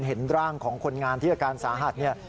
เห็นร่างของคนงานที่อาการสาหัสเนี่ย